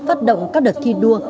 phát động các đợt khi đua